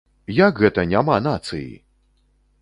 Як гэта няма нацыі?!